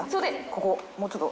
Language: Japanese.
ここもうちょっと。